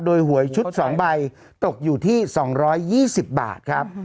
โดยหวยชุด๒ใบตกอยู่ที่๒๒๐บาทครับ